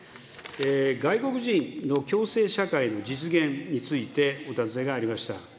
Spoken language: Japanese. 外国人の共生社会の実現について、お尋ねがありました。